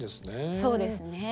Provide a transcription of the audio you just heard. そうですね。